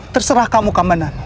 terserah kamu kamanan